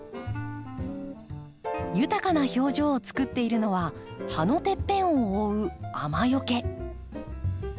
豊かな表情をつくっているのは葉のてっぺんを覆う雨よけ。